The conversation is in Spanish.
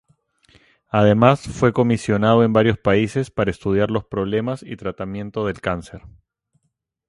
Además fue comisionado en varios países para estudiar los problemas y tratamiento del cáncer.